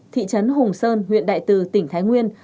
thị trấn hùng sơn huyện đại từ tỉnh thái nguyên